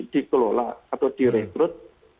dikelola atau direkrut